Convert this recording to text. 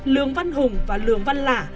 vương văn hùng và lường văn lả